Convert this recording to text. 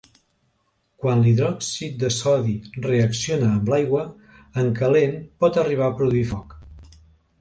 Quan l'hidròxid de sodi reacciona amb l'aigua, en calent pot arribar a produir foc.